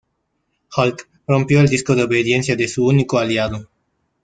Hulk rompió el disco de obediencia de su único aliado.